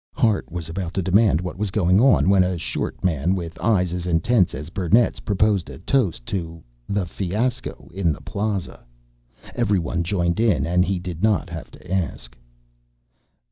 Hart was about to demand what was going on when a short man with eyes as intense as Burnett's proposed a toast to "the fiasco in the Plaza." Everyone joined in and he did not have to ask.